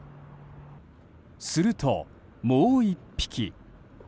すると、もう１匹。